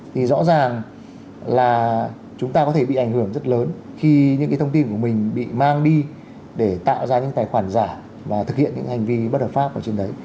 thì rõ ràng là chúng ta có thể bị ảnh hưởng rất lớn khi những cái thông tin của mình bị mang đi để tạo ra những tài khoản giả và thực hiện những hành vi bất hợp pháp ở trên đấy